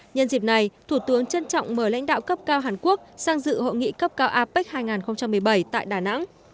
nhân dịp này thủ tướng trân trọng mời lãnh đạo cấp cao hàn quốc sang dự hội nghị cấp cao apec hai nghìn một mươi bảy tại đà nẵng